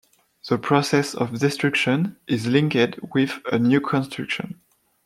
The process of destruction is linked with a new construction.